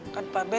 kan pak w